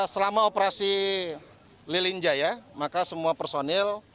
selama operasi liling jaya maka semua personil